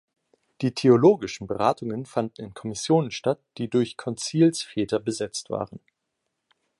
Die theologischen Beratungen fanden in Kommissionen statt, die durch Konzilsväter besetzt waren.